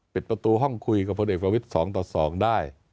ปิดประตูห้องคุยกับพลเอกประวิทย์๒ต่อ๒ได้